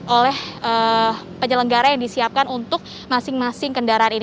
oleh penyelenggara yang disiapkan untuk masing masing kendaraan ini